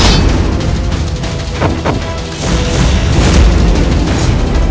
serta arkai ini bersedih iri